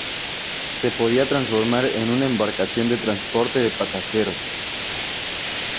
Se podía transformar en una embarcación de transporte de pasajeros.